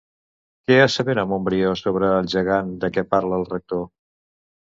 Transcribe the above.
Què assevera Montbrió sobre el gegant de què parla el rector?